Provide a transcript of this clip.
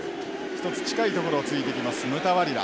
一つ近い所をついてきますムタワリラ。